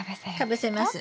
かぶせます。